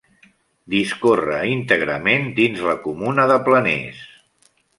Discorre íntegrament dins de la comuna de Planès.